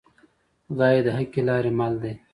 خدای د حقې لارې مل دی